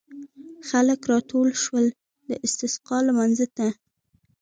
خلک راټول شول د استسقا لمانځه ته.